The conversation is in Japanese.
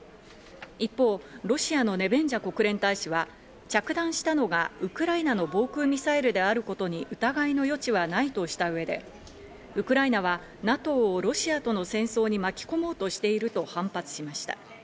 一方、ロシアのネベンジャ国連大使は着弾したのがウクライナの防空ミサイルであることに疑いの余地はないとした上で、ウクライナはＮＡＴＯをロシアとの戦争に巻き込もうとしていると反発しました。